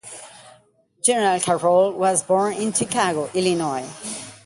General Carroll was born in Chicago, Illinois.